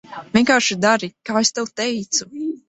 Vienkārši dari, kā es tev teicu.